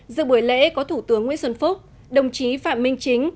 giữa buổi lễ có thủ tướng nguyễn xuân phúc đồng chí phạm minh chính